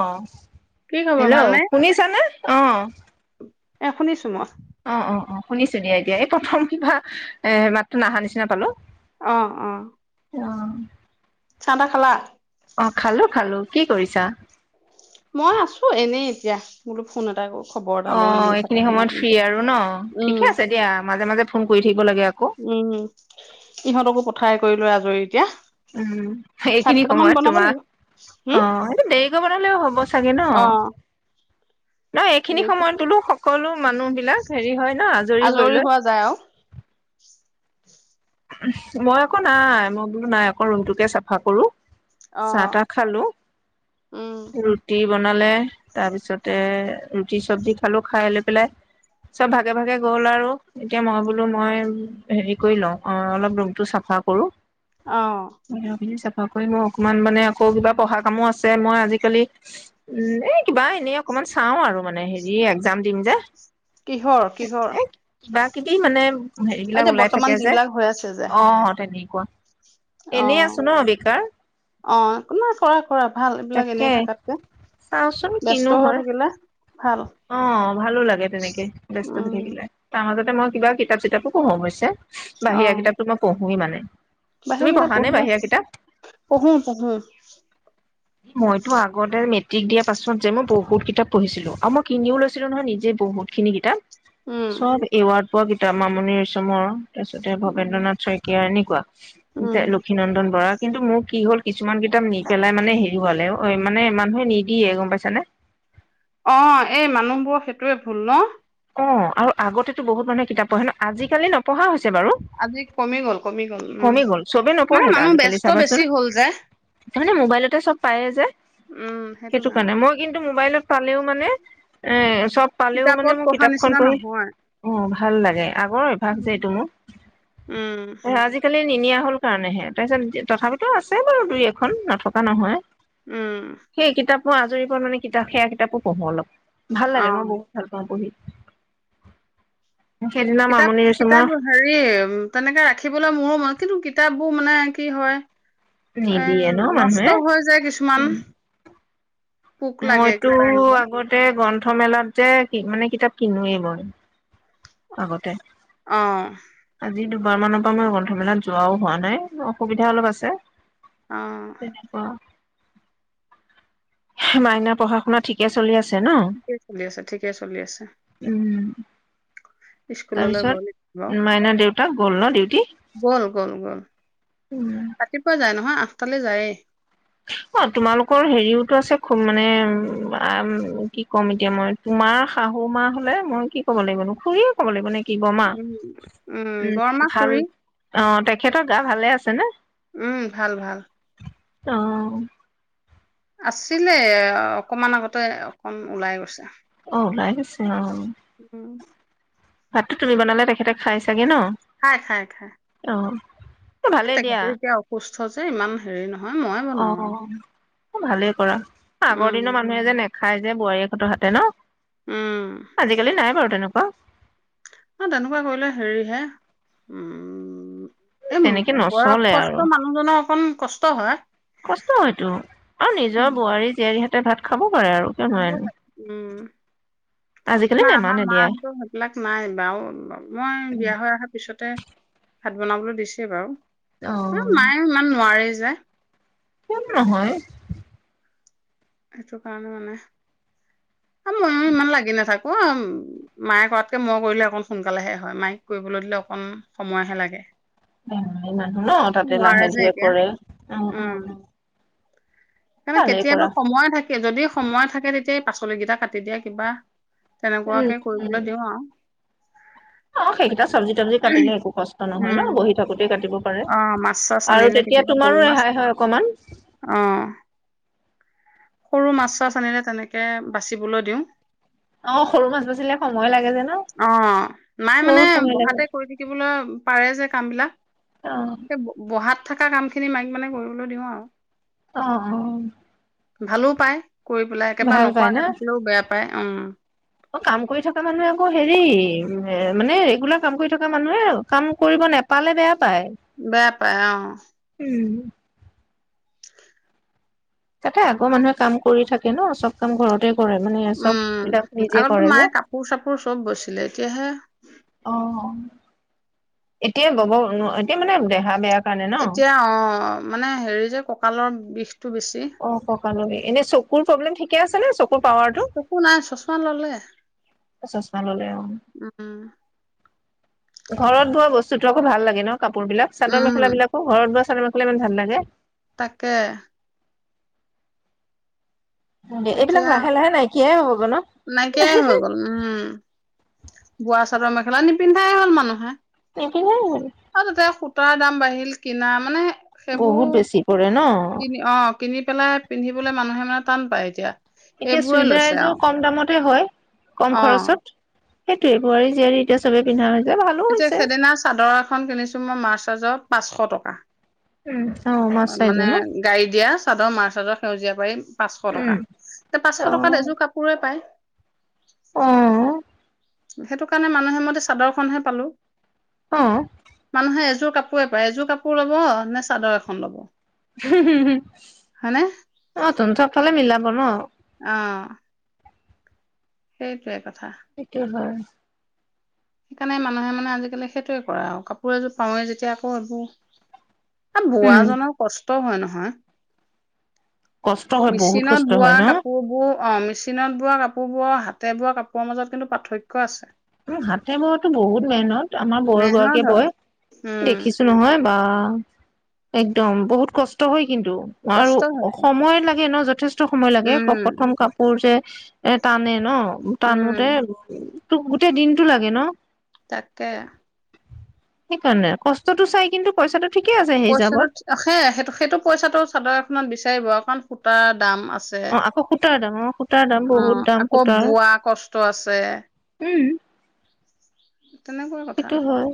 অ'। কি খবৰ হ্যালো ভালনে? শুনিছানে? অ'। এ শুনিছো মই। অ' অ' অ' শুনিছো দিয়া এতিয়া এই প্ৰথম কিবা মাতটো নহা নিচিনা পালো। অ' অ'। অ'। চাহ তাহ খালা? অ' খালো খালো। কি কৰিছা? মই আছো এনেই এতিয়া বোলো ফোন এটাই কৰো। খবৰ এটা লওঁ অ' এনেই থকা এইখিনি সময়ত ফ্ৰি সময়খিনিতে। আৰু ন ঠিকে উম আছে দিয়া মাজে মাজে ফোন কৰি থাকিব লাগে আকৌ। উম ইহঁতকো [unintelligible] লৈ আজৰি এতিয়া। ভাত এইখিনি কেইটামান সময়ত বনাব লাগিব তোমাৰ হম অ' দেৰি কৰিব [inaudible] চাগে ন? অ নাই এইখনি দেৰিকে সময়ত বোলো কলো মানুহ বিলাক হেৰী হয় ন আজৰি হৈ লয়। হোৱা যায় আৰু মই আকৌ নাই মই ভাবিলোঁ ৰূমটোকে চাফা কৰোঁ। অ চাহ খালোঁ উম ৰুটি। বনালে তাৰ পিছতে ৰুটি চৱজী খালোঁ খাই লৈ সকলোৱে ভাগে ভাগে গল আৰু এতিয়া মই ভাবিলোঁ কৰি লও অলপ ৰূমটো চাফা কৰোঁ। অ [unintelligible] ৱাকৰি মই অকমান মানে আকৌ কিবা পহা কামো আছে, মই আজিকালি উম এই কিবা এনে অকমান চাওঁ আৰু মানে হেৰি এগজাম দিম যে। কিহৰ কিহৰ [unintelligible] উম অ এইবিলাক এতিয়া ওলাই বৰ্তমান থাকে যে। যিবিলাক অ' অ' তেনেক [unintelligible] অ'-অ', অ'-অ' একো নহয় কৰা কৰা ভাল এইবিলাক তাকে এনেই থকাতকে, চাওচোন ব্যস্ত হৈ থাকিলা, ভাল। অ'-অ' ভালো লাগে তেনেকে ব্যস্ত হৈ উম থাকিলে আগতে মই কিতাপ চিতাপো পঢ়ো অৱশ্যে। বাহিৰা কিতাপটো মই প মই মানে। বাহিৰা তুমি কিতাপ পঢ়া নে পঢ়িলে, বাহিৰা কিতাপ পঢ়ো পঢ়ো। মইতো আগতে নেত মেট্ৰিক দিয়া পিছত যে মই বহুত কিতাপ পঢ়িছিলোঁ, আৰু মই কিনিও লৈছিলোঁ নহয় নিজে বহুত খিনি কিতাপ। উম চব এৱাৰ্ড কিতাপ, মামনি ৰয়ছমৰ। তাৰ পিছতে উম ভৱেন্দ্ৰনাথ শইকীয়া কোৱা। দে উম লক্ষীনন্দন বৰাক কিন্তু মোৰ কি হ'ল কিছুমান কিতাপ নি পেলাই মানে হেৰি হ'লেও ঐ মানে মানুহে নিদিয়ে গম পাইছানে? অ', এই মানুহবোৰৰ সেইটোৱেই ভুল ন? অ' আৰু আগতেতো বহুত মানুহে কিতাপ পঢ়ে ন, আজিকালি নপঢ়া হৈছে। হৈছে বাৰু, আজি কমি গ'ল কমি গ'ল উম কমি গ'ল, চবে মানে নপঢ়েটো মানুহ আজিকালি ব্যস্ত চাবা চোন। বেছি হ'ল যে তাৰমানে ম'বাইলতে চব পাইয়ে যে। উম সেইটো সেইটোকাৰণে, কাৰণে মই কিন্তু ম'বাইলত চালেও মানে, এ চব পালেও মানে কিতাপত মোৰ পঢ়া কিতাপখন নিচিনা পঢ়ি। নহয় অ, ভাল লাগে, আগৰ অভ্যাস যে এইটো মোৰ। উম হা আজিকালি নিনিয়া হ'ল কাৰণেহে, তাৰ পিছত, তথাপিতো আছে বাৰু দুই এখন, নথকা নহয়। উম। সেই কিতাপ মই আজৰি পৰত মানে কিতাপ সেইয়া কিতাপো পঢ়ু অলপ। ভাল অ লাগে, মই বহুত ভাল পাওঁ পঢ়ি। সেইদিনা মামনি ৰয়চমৰ কিতাপ-কিতাপ হেৰী, তেনেকে ৰাখিবলে মোৰো মন কিন্তু কিতাপ [unintelligible] নাই কি হয়? নিদিয়ে ন উম! মানুহে নষ্ট হৈ যায় কিছুমান। পোক লাগে মইতো কিবা এনেকুৱা আগতে গ্ৰন্থ গ্ৰন্থ মেলাতে কি? মানে কিতাপ কিনিব। আগতে আহ উম আজি দুবাৰ মানৰ পৰা মই গ্ৰন্থমেলাত যোৱাও হোৱা নাই, অসুবিধা অলপ আছে। অ তেনেকুৱা হে মাইনাৰ পঢ়া-শুনা ঠিকে চলি আছে ন ঠিকে চলি আছে, ঠিকে চলি আছে। উম স্কুললৈ গ'ল ন? তো গ'ল ন ডিউটিত? গ'ল-গ'ল-গ'ল। ৰাতিপুৱা যায়। এৰ নহয় আঠটা লে যায়ে। কি কম মানে, উম আহ উম কি কম এতিয়া মই? তোমাৰ শাহু মা হ'লে মই কি ক'ব লাগিব নু, খুৰীয়ে ক'ব লাগিব নেকি? কি বৰমা? উম, উম বৰমা ভাল খুৰী অ তাইক তেখেতৰ গা ভালে আছে নে? উম ভাল, ভাল অ' আছিলে অকণমান আগতে অকণ ওলাই গৈছে। অ' বাইক আছে অ' উম, ভাতটো তুমি বনালে তেখেতে খায় চাগে ন? খায়-খায়-খায় [inaudible] দিয়া তেখেতে এতিয়া অসুস্থ। ইমান হেৰি নহয়। মইয়ে বনাওঁ অ' আৰু। অ' অ', ভালে কৰা আগৰ উম, দিনৰ মানুহ যেন এ খায় দায় বোৱাৰীয়েক হঁতৰ হাতে ন? উম, আজিকালি নাই বাৰু। কেনেকুৱা? তেনেকুৱা কৰিলে হেৰি হে উম উম তেনেকে উম নচলে আৰু বয়স্থ মানুহজনৰ অকণ কষ্ট হয়। কষ্ট হয়তো অ নিজৰ উম, বোৱাৰী জিয়াৰীয়ে এতিয়া ভাত খাব পাৰে আৰু কিয় নোৱাৰেনো [unintelligible] ভাত আজিকালি বনাবলে নেমানে দিয়া দিছে বাৰু। উম মায়ে ইমান অ নোৱাৰে যে যে কোননো হয়? সেইটো কাৰণে মানে। কাৰণ মইয়ো ইমান লাগি নাথাকো উম, মায়ে কৰাতকে মই কৰিলে অকন সোনকালেহে হয়। মায়েক কৰিব দিলে অকন সময় হে লাগে হেই বুঢ়ী মানুহ ন তাতে লাহে নোৱাৰে যে ধিৰে এতিয়া কৰে মানে ভালেই কেতিয়াবা কৰা সময় থাকে যদি সময় থাকে তেতিয়া, পাচলিকেইটা কাটি দিয়ে কিবা উম তেনেকুৱাকে উম কৰিবলৈ দিউ আৰু। অ সেইকেইটা চব্জি থব্জি কাটিলে একো কষ্ট নহয় ন উম বহি থাকোতেই কাটিব পাৰে অ মাছ ঠাছ আৰু আনিলে তেতিয়া কেতিয়াবা সৰু তোমাৰো মাছ, ৰেহাই হয় অকমান অ'। সৰু মাছ ঠাছ আনিলে তেনেকে সেয়ায় বাচিবলৈ দিউ। অ' সৰু মাছ বাচিলে সময় লাগে যে ন অ' মায়ে মানে বহুত সময় লাগে বহাতে কৰি থাকিবলৈ পাৰে যে কামবিলাক অ সেই বহাত থাকা কামখিনি মায়েক মানে কৰিবলৈ দিউ আৰু। অ', অ'। ভালো পায়। কৰিবলৈ একেবাৰে ভাল পাই না নকৰাকে থাকিলেও বেয়া পায় উম। অ কাম কৰি থকা মানুহে আকৌ হেৰি মানে এইবিলাক কাম কৰি থকা মানুহে কাম কৰিব নেপালে বেয়া পায়। বেয়া পায় অ'। উম এটায় আগৰ মানুহে কাম কৰি থাকে ন চব কাম ঘৰতে কৰে মানে চব উম বিলাক নিজে আগততো কৰে যে মায়ে কাপোৰ চাপোৰ চব বৈছিলে এতিয়াহে অ'। এতিয়া বব নোৱাৰে এতিয়া মানে দেহা বেয়া কাৰণে ন এতিয়া অ' মানে হেৰি যে ককালত বিষ অ' এনেই চকুৰ প্ৰব্লেম ঠিকে আছে নে চক চকু নাই ছচমা ললে চশমা ললে অ উম ঘৰত বোৱা বস্তুটো আকৌ ভাল লগে ন। কাপোৰ বিলাক চাদৰ মেখেলা উম বিলাকো ঘৰত বোৱা চা চাদৰ মেখেলা ইমান ভাল লাগে। তাকে এইবিলাক এতিয়া লাহে লাহে নাইকিয়াএ হ'ল নাইকিয়াই হৈ গ'ল উম, বোৱা চাদৰ মেখেলা নিপিন্ধাই হ'ল মানুহে নিপিন্ধে আৰু তাতে সূতাৰ দাম বাঢ়ি শিল কিনা মানে বহুত সেইবোৰ বেছি পৰে ন' কিনি অ কিনি পেলাই পিন্ধিবলৈ মানুহে মানে টান পায় এতিয়া। এতিয়া এইবোৰে চুইদাৰ লৈছে এজোৰ আৰু কম দামতে হয় কম অ খৰচত সেইটোৱে বোৱাৰী জীয়াৰী এতিয়া চবেই পিন্ধা হৈ এতিয়া সেইদিনা চাদৰ এখন কিনিছো মই মাৰ্চাজত পাঁচশ টকা। উম অ মাছ চাইজৰ মানে ন গাড়ী দিয়া চাদৰ মাছ চাদৰত সেউজীয়া পাৰি পাঁচশ উম টকা এ অ পাঁচশ টকাত এযোৰ কাপোৰে পায় অ সেইটো কাৰণে মানুহে মতে চাদৰখনহে পালো অ মানুহে এযোৰ কাপোৰে পায় এযোৰ কাপোৰ লব নে চাদৰ এখন লব হয়নে অ', তোন চবফালে মিলাব [inaudible] অ', সেইটোয়ে কথা এইটো হয়। সেইকাৰণে মানুহে মানে আজিকালি সেইটোয়ে কৰে আও কাপোৰ এযোৰ পাওঁয়ে যেতিয়া আকৌ এবো - এ বোৱা উম জনৰ কচ তও হয় নহয় কষ্ট হয় বহুত মেচিনত কষ্ট বোৱা হয় ন কাপোৰবোৰ অ, মেচিনত বোৱা কাপোৰবোৰ আৰু হাতে বোৱা কাপোৰৰ মাজত কিন্তু পাৰ্থক্য আছে। হাতে বোৱা টো বহুত মেহনত, আমাৰ বৌ এগৰাকীয়ে মেহনত হয় বয়, উম দেখিছোঁ নহয়। আ। একদম। বহুত কষ্ট হয়। কিন্তু। আৰু কষ্ট হয় আকৌ। অসমৰে লাগে ন য। সময় লাগে উম প্ৰথম কাপোৰ যে। এটা নে ন। টানোঁতে। উম [unintelligible] গোটেই দিনটো লাগে ন। তাকেই। সেইকাৰণে। কষ্টটো চাই কিন্তু পইচাটো। ঠিকে আছে সেই পইচাটো। হিচাপত সেই সেইটো পইচাটো চাদৰ এখনত বিচাৰিব। কাণ ফুটাত। অ' আকৌ সূতাৰ দাম। সূতাৰ দাম অ বহুত দাম আকৌ সূতাৰ। বোৱা কষ্ট আছে উম। তেনেকুৱা কথা। সেইটো হয়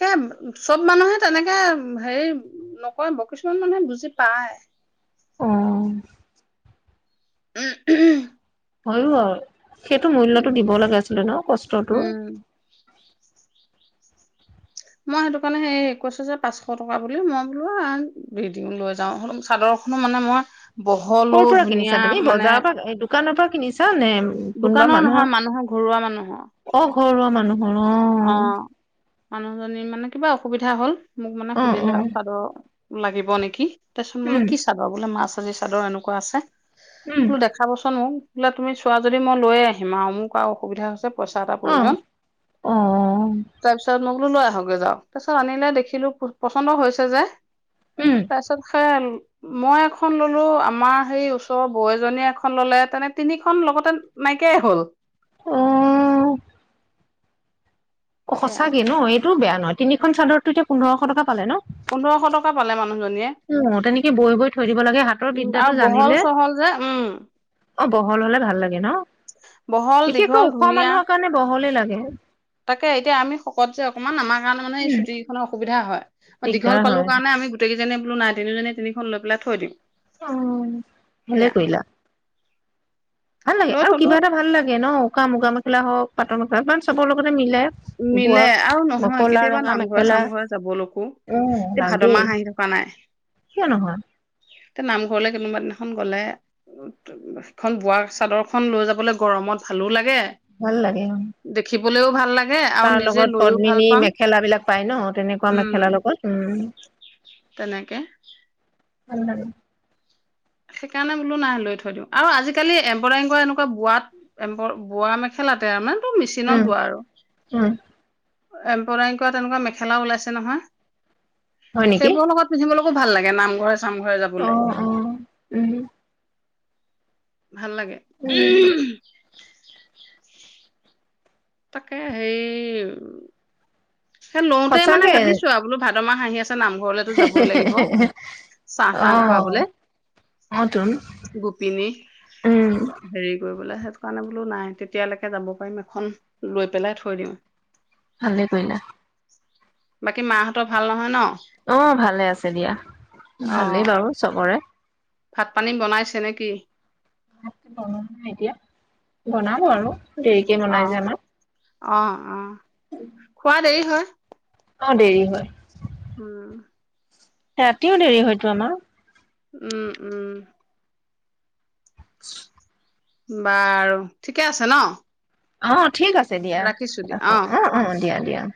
চা। চব মানুহে তেনেকা হেৰি নকৰিব। কিছুমান মানুহে বুজি পায়। অ'। উমউহ। হলো আৰু। সেইটো মূল্যটো দিব লাগে আচলতে ন কষ্টটোৰ। উম মই সেইটো কাৰণে হেৰি কৈছো যে পাচঁশ টকা বুলি মই বুলো আন দি দিও লৈ যাওঁ চাদৰখনো মানে মই। বহলো কৰ পৰা ধুনীয়া কিনিছা তুমি মানে বজাৰৰ পৰা দোকানৰ পৰা কিনিছা নে কোনোবা দোকানৰ নহয় মানুহৰ। ঘৰুৱা মানুহৰ অ ঘৰুৱা মানুহৰ অ'। অ'। মানুহজনীৰ মানে কিবা অসুবিধা হল। মোক মানে অ অ সুধিলে আৰু চাদৰৰ। মাগিব নেকি। তাৰ পিছত বোলো উম কি চাবা বোলে মাছ। যদি চাদৰ এনেকুৱা আছে। উম মোক দেখাবছোন মোক। লোৱা তুমি চোৱা যদি মই লৈয়ে আহিম আৰু মোক আৰু অসুবিধা হৈছে। পইচা এটা অ পৰি যাম। অ তাৰপিছত ম। লৈ আহৈগেক যাওক। তাৰপিছত আনিলে দেখিলো পচন্দ হৈছে যে। উম তাৰছত সেয়া। মই এখন ললো আমাৰ সেই ওচৰৰ বৌ এজনীয়ে এখন ললে তেনে তিনিখন লগতে নাইকিয়াই হ'ল। অ' অ' সেয়া সঁচাকে ন। টো বেয়া নহয় তিনিখন চাদৰতটো এতিয়া পোন্ধৰশ টকা পালে ন? পোন্ধৰশ টকা পালে মি অ', তেনেকৈ বই বই থৈ দিব লাগে হাতৰ আৰু বিদ্যাটো বহল জানিলে চহল যে উম অ', বহল হলে ভাল লাগে ন? বহল দীঘল বিশেষকৈ ওখ ধুনীয়া মানুহৰ কাৰণে বহল এ, লাগে। [unintelligible] তাকে এতিয়া আমি শকত যে অকমান আমা কাৰণে মানে উম চুটি সুবিধা হয়। অ' দীঘল দিগদাৰ পালোঁ হয় কাৰণে আমি গোটেইকেইজনীয়ে কোনো নাই তিনিজনীয়ে তিনিখন লৈ পেলাই থৈ দিম। অ' ভালে সেয়া কৰিলা। ভাল লাগে লৈ আৰু থলো কিবা এটা ভাল লাগে ন উকা মুগা মেখেলা হক পাট মেখেলাখন চ'ব লগত মিলে আও নহয় কলা কেতিয়াবা ৰঙা নামঘৰে মেখেলা চাকিৰে যাবলৈকো উম লাগেই কিয় নহয় তে নামঘৰলৈ কোনোবা দিনাখন গলে হেখন বোৱা চাদৰখন লৈ যাবলৈ গৰমত ভালো লাগে ভাল লাগে অ' গলেও ভাল লা তা লগত পদ্মমিনী মেখেলাবিলাক পায় ন তেনেকুৱা উম মেখেলা লগত উ তেনেকে [unintelligible] সেইকাৰণে বোলো নাই লৈ থৈ দিও, আৰু আজিকালি এমব্ৰয়ডাৰীবোৰ এনেকুৱা বোৱাত এমব্ৰ বোৱা মেখেলাতে আমা মেচিনত উম বোৱা আৰু উম এমব্ৰয়ডাৰী কৰা তেনেকুৱা মেখেলা ওলাইছে নহয়। হয় নেকি সেইবোৰৰ লগত পিন্ধিবলৈ ভাল লাগে নামঘৰে চা নামঘৰ অ যাবলে অ উম ভাল লাগে। [inaudible] উম তাকে হেৰি হে লওতে মানে সঁচাকে ভাবিছো আৰু বোলো ভাত [unintelligible] নামঘৰলৈটো যাবই লাগিব, চাহ, অ তাহ খুৱাবলৈ, অ তোন গোপিনী উম হেৰি বোলে সেইটো কাৰণে বোলো নাই কেতিয়ালৈকে যাব পাৰিম এখন লৈ পেলাই থৈ দিও। ভালে কৰিলা। বাকী মাহতৰ ভাল নহয় ন, ও ভালে আছে দিয়া। অ ভালে বাৰু চবৰে, ভাত পানী বনাইছে নেকি? [unintelligible] বনাব আৰু, দেৰিকে বনাই যে আমাৰ, অহ, অহ! খোৱাত দেৰি হয় অহ! দেৰি হয়। উম। ৰাতিও দেৰি হয় [unintelligible] উম, উম! [unintelligible] বাৰু, ঠিকেই আছে ন'? [unintelligible] ঠিক আছে দিয়া ৰাখিছো দিয়া ৰাখো অ অহ অহ দিয়া দিয়া। [inaudible]